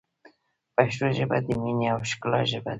پښتو ژبه ، د مینې او ښکلا ژبه ده.